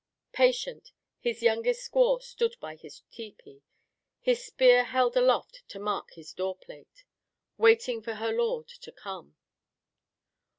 Patient, his youngest squaw stood by his tepee, his spear held aloft to mark his door plate, waiting for her lord to come.